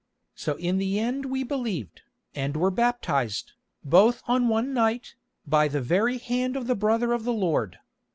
So in the end we believed, and were baptised, both on one night, by the very hand of the brother of the Lord.